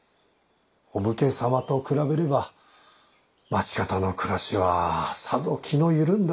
お武家様と比べれば町方の暮らしはさぞ気の緩んだものに見えるでしょうな。